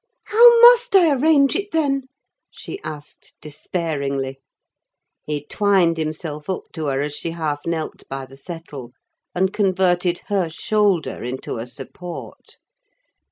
"How must I arrange it, then?" she asked despairingly. He twined himself up to her, as she half knelt by the settle, and converted her shoulder into a support.